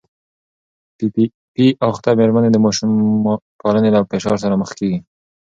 پي پي پي اخته مېرمنې د ماشوم پالنې له فشار سره مخ کېږي.